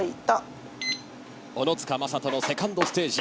小野塚雅人の２ｎｄステージ